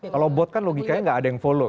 kalau bot kan logikanya nggak ada yang follow